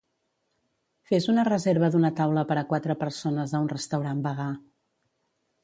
Fes una reserva d'una taula per a quatre persones a un restaurant vegà.